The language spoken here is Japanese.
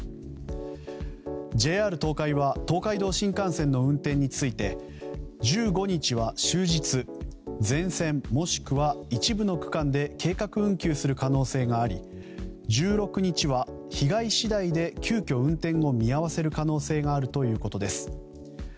ＪＲ東海は東海道新幹線の運転について１５日は終日全線もしくは一部の区間で計画運休する可能性があり１６日は被害次第で急きょ運転を見合わせる可能性があるということです。